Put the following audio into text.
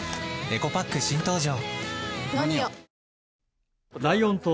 エコパック新登場！